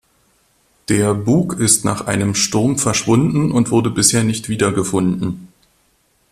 Der Bug ist nach einem Sturm verschwunden und wurde bisher nicht wiedergefunden.